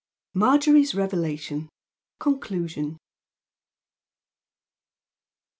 MARGERY'S REVELATION CONCLUSION.